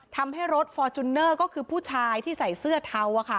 ทำให้รถฟอร์จูเนอร์ก็คือผู้ชายที่ใส่เสื้อเทา